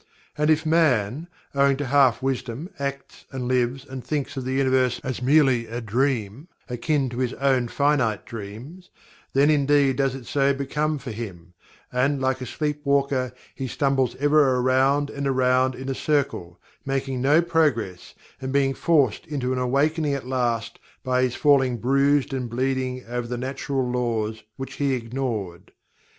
And if Man, owing to half wisdom, acts and lives and thinks of the Universe as merely a dream (akin to his own finite dreams) then indeed does it so become for him, and like a sleep walker he stumbles ever around and around in a circle, making no progress, and being forced into an awakening at last by his falling bruised and bleeding over the Natural Laws which he ignored.